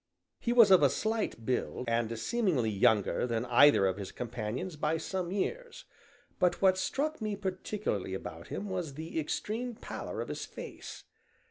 He was of a slight build, and seemingly younger than either of his companions by some years, but what struck me particularly about him was the extreme pallor of his face.